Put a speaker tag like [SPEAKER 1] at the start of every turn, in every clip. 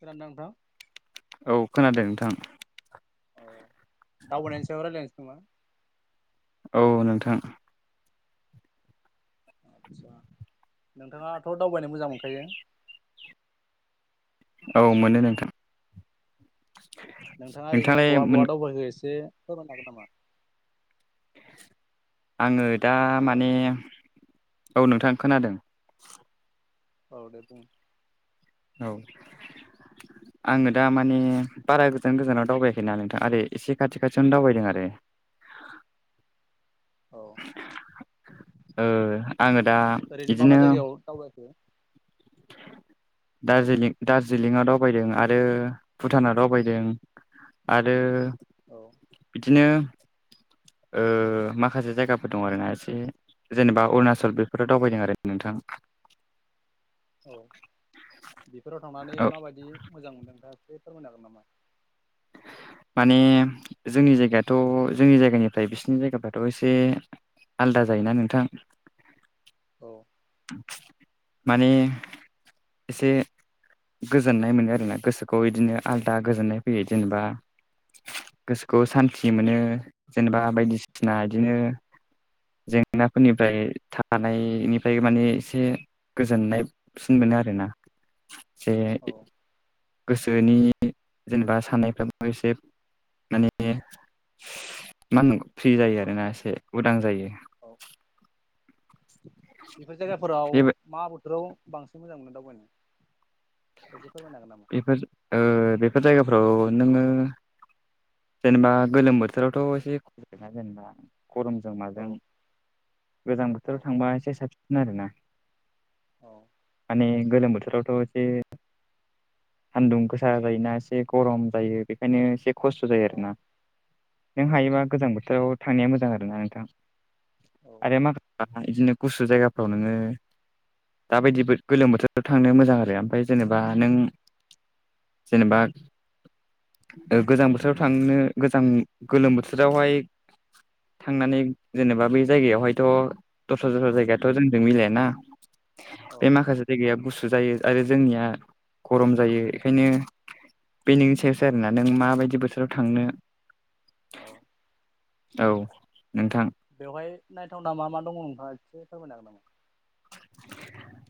[SPEAKER 1] खोनादों ना नोंथां?
[SPEAKER 2] औ खोनादों नोंथां।
[SPEAKER 1] औ दावबायनायनि सायाव रायज्लायनोसै नामा?
[SPEAKER 2] औ नोंथां।
[SPEAKER 1] आसा नोंथाङाथ' दावबायनो मोजां मोनखायो?
[SPEAKER 2] औ मोनो नोंथां।
[SPEAKER 1] नोंथाङा ओरैनो
[SPEAKER 2] नोंथाङालाय
[SPEAKER 1] बहा बहा दावबायखो एसे फोरमायनो हागोन नामा?
[SPEAKER 2] आङो दा
[SPEAKER 1] हेल'
[SPEAKER 2] माने औ नोंथां खोनादों।
[SPEAKER 1] औ दे बुं।
[SPEAKER 2] औ आङो दा माने बारा गोजान गोजानाव दावबायाखैना नोंथां आरै एसे खाथि खाथियावनो दावबायदों आरो।
[SPEAKER 1] औ
[SPEAKER 2] ओ आङो दा
[SPEAKER 1] ओरैनो मा मा
[SPEAKER 2] इदिनो
[SPEAKER 1] जायगायाव दावबायखो? औ
[SPEAKER 2] दार्जिलिं दाज दार्जिलिंआव दावबायदों। आरो भुटानाव दावबायदों। आरो
[SPEAKER 1] औ।
[SPEAKER 2] बिदिनो ओ माखासे जायगाफोर दं आरोना। एसे जेनेबा अरुणाचल बेफोराव दावबायदों आरो नोंथां।
[SPEAKER 1] औ बेफोराव थांनानै
[SPEAKER 2] औ
[SPEAKER 1] माबायदि मोजां मोनदों दा एसे फोरमायनो हागोन नामा?
[SPEAKER 2] माने जोंनि जायगायाथ' जोंनि जायगानिफ्राय बिसिनि जायगाफ्राथ' एसे आलादा जायोना नोंथां।
[SPEAKER 1] औ।
[SPEAKER 2] माने एसे। गोजोननाय मोनो आरोना गोसोखौ इदिनो आलदा गोजोननाय फैयो। जेनेबा गोसोखौ सान्थि मोनो। जेनेबा बायदिसिना बिदिनो जेंनाफोरनिफ्राय थानायनि ओमफ्राय माने एसे गोजोननायसिन मोनो आरोना जे
[SPEAKER 1] औ
[SPEAKER 2] गोसोनि जेनेबा साननायफ्राबो एसे माने मा होननांगौ फ्रि जायो
[SPEAKER 1] औ
[SPEAKER 2] आरोना एसे उदां जायो।
[SPEAKER 1] औ बेफोर जायगाफोराव
[SPEAKER 2] बे
[SPEAKER 1] मा बोथोराव बांसिन मोजां मोनो दावबायनो। एसे फोरमायनो हागोन नामा
[SPEAKER 2] बेफोर ओ बेफोर जायगाफोराव नोंङो जेनेबा गोलोम बोथोरावथ' एसे खुगा जेनेबा गरमजों माजों
[SPEAKER 1] औ
[SPEAKER 2] गोजां
[SPEAKER 1] औ
[SPEAKER 2] बोथोराव थांबा एसे साबसिन आरोना।
[SPEAKER 1] औ।
[SPEAKER 2] माने गोलोम बोथोररावथ' एसे सान्दुं गोसा जायोना एसे गरम जायो बेखायनो एसे खस्थ' जायो
[SPEAKER 1] औ
[SPEAKER 2] आरोना नों हायोबा गोजां बोथोराव थांनाया मोजां आरोना नोंथां। आरो [inaudible] बिदिनो गुसु जायगाफ्राव नोङो दाबायदि बो गोलोम बोथोराव थांनो मोजां आरो ओमफाय जेनेबा नों जेनेबा ओ गोजां बोथोराव थांनो गोजां गोलोम बोथोरावहाय थांनानै जेनेबा बे जायगायावहायथ' दस्रा दस्रा
[SPEAKER 1] औ
[SPEAKER 2] जायगायाथ' जोंजों मिलायाना
[SPEAKER 1] औ
[SPEAKER 2] बे माखासे जायगाया गुसु जायो आरो जोंनिया गरम जायो बेखायनो बे नोंनि सायावसो आरोना नों माबायदि बोथोराव थांनो?
[SPEAKER 1] औ।
[SPEAKER 2] औ नोंथां।
[SPEAKER 1] बेवहाय नायथावना मा मा दङ नोंथाङा एसे फोरमायनो हागोन नामा? [inaudible]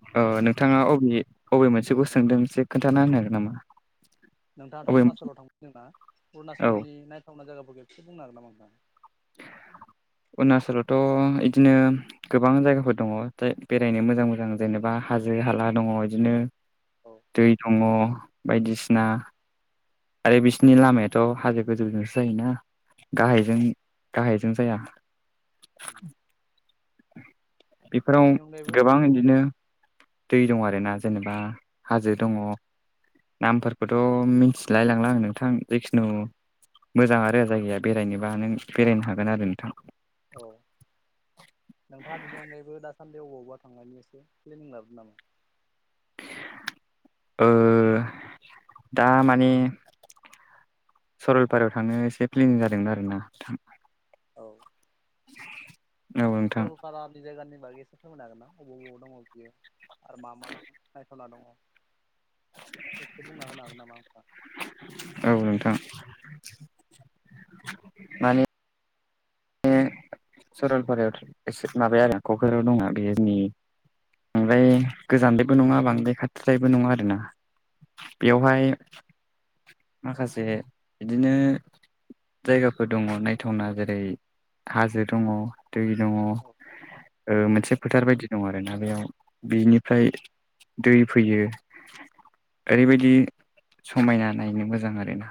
[SPEAKER 2] नोंथाङा अबे अबे मोनसेखौ सोंदों से खोन्थाना होनो हागोन नामा?
[SPEAKER 1] नोंथाङाथ'
[SPEAKER 2] अबे
[SPEAKER 1] अरुणचलाव थांफेरदों ना
[SPEAKER 2] औ
[SPEAKER 1] अरुणनाचलनि नायथावनाय जायगाफोरखौ एसे बुंनो हागोन नामा नोंथां? [inaudible]
[SPEAKER 2] अरुणाचलावथ' इदिनो गोबां जायगाफोर दङ बेरायनो मोजां मोजां जेनेबा हाजो हाला दङ बिदिनो
[SPEAKER 1] औ
[SPEAKER 2] दै दङ बायदिसिना
[SPEAKER 1] औ
[SPEAKER 2] आरो बिसोरनि लामायाथ' हाजो गोजौजोंसो जायोना
[SPEAKER 1] औ
[SPEAKER 2] गाहायजों गाहायजों जाया।
[SPEAKER 1] [inaudible]
[SPEAKER 2] बेफोराव
[SPEAKER 1] बिनि अनगायैबो
[SPEAKER 2] गोबां
[SPEAKER 1] औ
[SPEAKER 2] बिदिनो दै दं आरोना जेनेबा हाजो
[SPEAKER 1] औ
[SPEAKER 2] दङ। नामफोरखौथ' मिथिलायलांला आं नोंथां जिखुनु मोजां आरो जायगाया बेरायनोबा नों बेरायनो हागोन आरो नोंथां।
[SPEAKER 1] औ। नोंथाङा बिनि अनगायैबो दासान्दि अबावबा थांनायनि एसे प्लेनिं लादों नामा?
[SPEAKER 2] दा माने सरलपारायाव थांनो एसे प्लेेनिं जादोंमोन आरो ना नोंथां।
[SPEAKER 1] औ।
[SPEAKER 2] [inaudible] नोंथां औ
[SPEAKER 1] सरलपारानि जायगानि बागै एसे फोरमायनो हागोन ना बबाव बबाव दङ बियो। आरो मा मा ना नायथावना दङ एसे बुंना होनो हागोन नामा नोंथांङा?
[SPEAKER 2] औ नोंथां। माने सरलपारायाव' एसे माबाया आरो क'कझाराव दङ बेयो जोंनि ओमफ्राय गोजानदायबो नङा बांद्राय खाथिद्रायबो नङा आरोना।
[SPEAKER 1] औ
[SPEAKER 2] बेवहाय माखासे बिदिनो जायगाफोर दङ नायथावना जेरै हाजो दङ दै दङ ओ
[SPEAKER 1] औ औ
[SPEAKER 2] मोनसे फोथार बायदि दङ आरोना बेयाव। बिनिफ्राय दै फैयो ओरैबायदि समायना नायनो मोजां आरोना।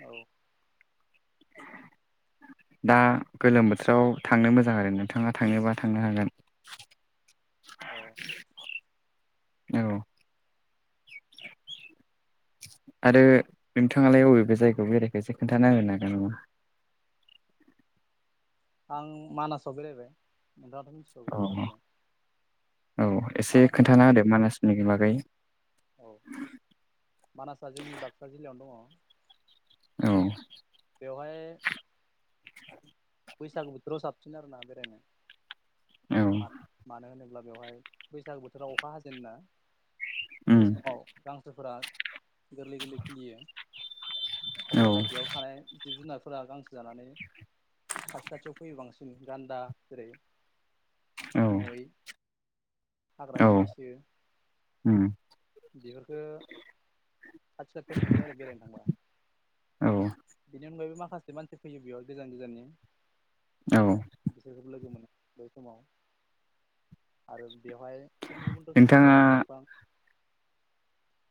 [SPEAKER 1] औ
[SPEAKER 2] दा गोलोम बोथोराव थांनो मोजां आरो नोंथाङा थांनोबा थांनो हागोन?
[SPEAKER 1] अ
[SPEAKER 2] औ आरो नोंथाङालाय अबे अबे जायगायाव बेरायखो एसे खोन्थाना होनो हागोन नामा?
[SPEAKER 1] आं मानासाव बेरायबाय नोंथाङाथ' मिथिखागौमोन मानासखौ?
[SPEAKER 2] औ एसे
[SPEAKER 1] मानासआ
[SPEAKER 2] खोन्थाना होदो मानासनि बागै?
[SPEAKER 1] औ मानासा जोंनि बाक्सा जिल्लायावनो दङ।
[SPEAKER 2] औ
[SPEAKER 1] बेवहाय बैसागु बोथोराव साबसिन आरोना बेरायनो
[SPEAKER 2] औ
[SPEAKER 1] मानो मानो होनोब्ला बेवहाय बैसागो बोथोराव अखा हाजेनना बे
[SPEAKER 2] उम
[SPEAKER 1] समाव गांसोफोरा गोरलै-गोरलै खिलियो
[SPEAKER 2] औ
[SPEAKER 1] अब्लाथाय बेयाव थानाय जिब जुनारफोरा गांसो जानानै खाथि खाथियाव फैयो बांसिन गान्दा जेरै
[SPEAKER 2] औ
[SPEAKER 1] मै
[SPEAKER 2] औ
[SPEAKER 1] हाग्रानि मैसो।
[SPEAKER 2] उम
[SPEAKER 1] बेफोरखो खाथि खाथियाव नुयो आरो बेरायनो थांबा।
[SPEAKER 2] औ
[SPEAKER 1] बेनि अनगायैबो माखासे मानसि फैयो बेयाव गोजान-गोजान नि
[SPEAKER 2] औ
[SPEAKER 1] बिसोरखौ लोगो मोनो बै समाव आरो बेवहाय गुबुन-गुबुन रोखोमनि
[SPEAKER 2] नोंथाङा
[SPEAKER 1] दंफां लाइफां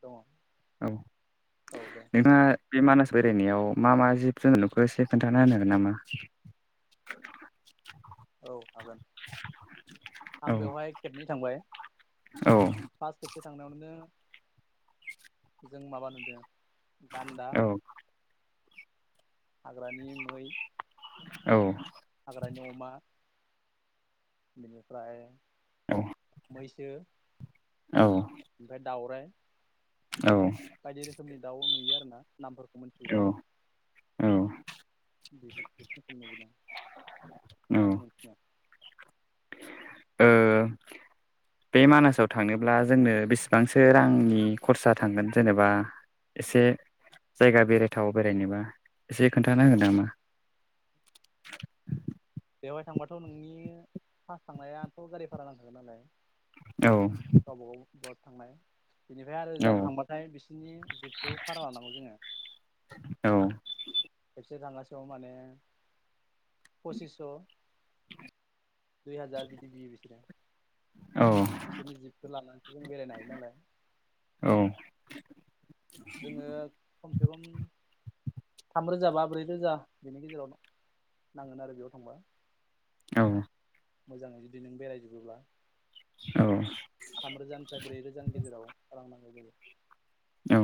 [SPEAKER 1] दंङ।
[SPEAKER 2] औ नोंथाङा बे मानास बेरायनायाव मा मा जिब जुनार नुखो एसे खोन्थाना होनो हागोन नामा?
[SPEAKER 1] औ हागोन
[SPEAKER 2] औ
[SPEAKER 1] आं बेवहाय खेबनै थांबाय।
[SPEAKER 2] औ
[SPEAKER 1] फास खेबसे थांनायावो जों माबा नुदो! गान्दा,
[SPEAKER 2] औ
[SPEAKER 1] हाग्रानि मै।
[SPEAKER 2] औ
[SPEAKER 1] हाग्रानि अमा बेनिफ्राय मैसो।
[SPEAKER 2] औ
[SPEAKER 1] ओमफाय दाउराइ।
[SPEAKER 2] औ
[SPEAKER 1] बायदि रोखोमनि दाउ नुयो आरो ना नामफोरखौ मिथियोबा।
[SPEAKER 2] औ
[SPEAKER 1] बे बेखिनिखौनो नुबोदों
[SPEAKER 2] औ
[SPEAKER 1] आंनि मोनथिनायाव।
[SPEAKER 2] ओ बे मानासाव थांनोब्ला जोंनो बेसेबांसो रांनि खरसा थांगोन जेनेबा? एसे जायगा बेरायथाव बेरायनोबा एसे
[SPEAKER 1] औ
[SPEAKER 2] खोन्थानांगोन नामा?
[SPEAKER 1] बेवहाय थांबाथ' नोंनि फास थांनायाथ' गारि भारा नांखागोन नालाय।
[SPEAKER 2] औ
[SPEAKER 1] गबावाव ब थांनाय बेनिफ्राय आरो
[SPEAKER 2] औ
[SPEAKER 1] जोंहा थांबा। थाय बिसोरनि जिबखौ भारा लानांगौ जोङो
[SPEAKER 2] औ
[SPEAKER 1] खेबसे थांगासेयाव माने पसिसस' दुइ हाजार बिदि बियो बिसोरो। बिसोरनि जिबखौ लानानैसो जों बेरायनो हायो नालाय।
[SPEAKER 2] औ
[SPEAKER 1] जोङो खमसे खम थाम रोजा बा ब्रै रोजा बेनि गेजेराव नांगोन आरो बेयाव थांबा।
[SPEAKER 2] औ
[SPEAKER 1] मोजाङै जुदि नों बेरायजोबोब्ला।
[SPEAKER 2] औ
[SPEAKER 1] थामरोजानिफ्राय ब्रै रोजानि गेजेराव रां नांगौ जायो।
[SPEAKER 2] औ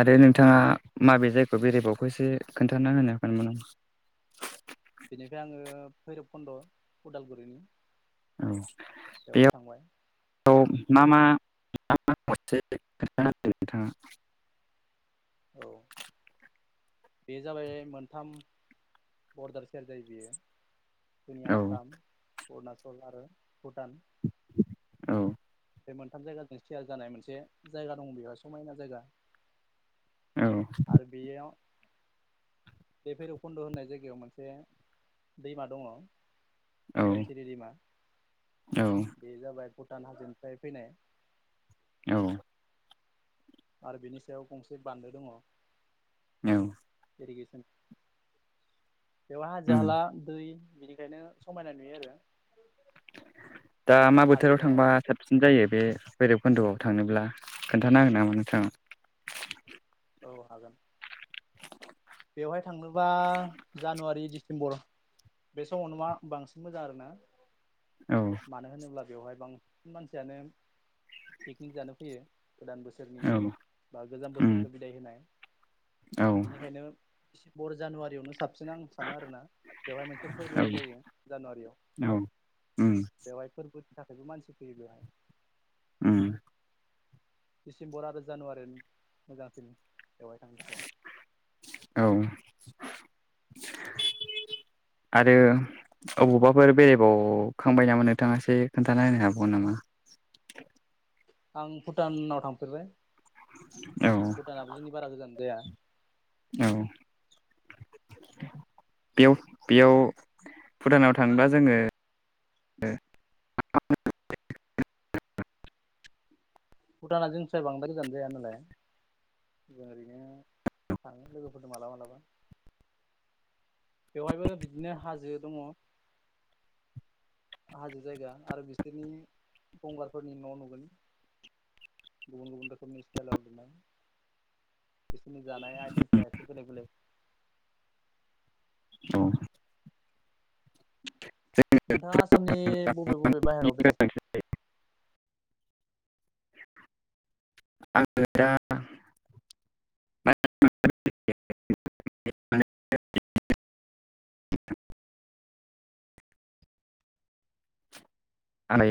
[SPEAKER 2] आरो नोंथाङा माबे जायगायाव बेरायेबावखौसो खोन्थान होनो हागोन नामा?
[SPEAKER 1] बेनिफ्राय आङो भैरब खन्द' उदालगुरिनि
[SPEAKER 2] औ
[SPEAKER 1] बेवहाय
[SPEAKER 2] बेयाव
[SPEAKER 1] थांबाय
[SPEAKER 2] औ मा मा [unintelligible] नोंथाङा
[SPEAKER 1] औ बे जाबाय मोनथाम बरडार सेर जायो बियो जोंनि
[SPEAKER 2] औ
[SPEAKER 1] आसाम अरुणाचल आरो भुटान
[SPEAKER 2] औ
[SPEAKER 1] बे मोनथाम जायगाजों थियार जानाय मोनसे जायगा दं बेह समायना जायगा
[SPEAKER 2] औ
[SPEAKER 1] बियोयाव बे भैरबखुन्द' होननाय जायगायाव मोनसे दैमा दङ
[SPEAKER 2] औ
[SPEAKER 1] धोनसिरि दैमा
[SPEAKER 2] औ।
[SPEAKER 1] बे जाबाय भुटान हाजोनिफ्राय फैनाय
[SPEAKER 2] औ।
[SPEAKER 1] आरो बिनि सायाव गंसे बान्दो दङ।
[SPEAKER 2] औ
[SPEAKER 1] इरिगेसन बेव
[SPEAKER 2] उम
[SPEAKER 1] हाजो हाला दै बेनिखायनो समायना नुयो आरो।
[SPEAKER 2] दा मा
[SPEAKER 1] हाजो
[SPEAKER 2] बोथोराव
[SPEAKER 1] दङ
[SPEAKER 2] थांबा साबसिन जायो बे भैरबखुन्द'आव थांनोब्ला खोन्थानो हागोन नामा नोंथाङा।
[SPEAKER 1] औ हागोन। बेवहाय थांनोबा जानुवारि डिसेम्बर बे समावो मा बांसिन मोजां आरोना।
[SPEAKER 2] औ
[SPEAKER 1] मानो होनोब्ला बेवहाय बांसिन मानसियानो पिकनिक जानो फैयो गोदान बो बोसोरनि
[SPEAKER 2] औ
[SPEAKER 1] बा गोजाम
[SPEAKER 2] उम
[SPEAKER 1] बोसोरखौ बिदाय होनाय
[SPEAKER 2] औ
[SPEAKER 1] बिनिखायनो दिसिमबर जानुवारियावनो साबसिन आं सानो आरोना बेवहाय मोनसे
[SPEAKER 2] औ
[SPEAKER 1] फोरबोबो जायो जानुवारियाव।
[SPEAKER 2] औ उम
[SPEAKER 1] बेवहाय फोरबोनि थाखायबो मानसि फैयो बेवहाय।
[SPEAKER 2] ओम
[SPEAKER 1] दिडिसेम्बर आरो जानुवारि मोजांसिन बेवहाय थांनो थाखाय।
[SPEAKER 2] औ [inaudible] आरो अबावबाफोर बेरायबावखांबाय नामा नोंथाङा एसे खोन्थानानो हाबावगोन नामा?
[SPEAKER 1] आं भुटानाव थांफेरबाय।
[SPEAKER 2] औ
[SPEAKER 1] भुटानाबो जोंनि बारा गोजान जाया।
[SPEAKER 2] औ बेयाव बेयाव भुटानाव थांङोबा जोङो
[SPEAKER 1] [inaudible] भुटाना जोंनिसआ बांद्राय गोजान जाया नालाय। जों ओरैनो थाङो लोगोफोरजों मालाबा मालाबा बेवहायबो बिदिनो हाजो दङ हाजो जायगा आरो बिसोरनि गंगारफोरनि न' नुगोन। गुबुन गुबुन रोखोमनि स्टाइलाव लुनाय। बिसोरनि जानाय आइटेमफोरा एसे बेलेग बेलेग।
[SPEAKER 2] औ
[SPEAKER 1] नोंथाङा आसामनि बबे बबे बाहेरायाव बेरायखो?
[SPEAKER 2] द [inaudible] [inaudible] आं